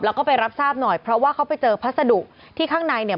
แล้วก็ไปรับทราบหน่อยเพราะว่าเขาไปเจอพัสดุที่ข้างในเนี่ย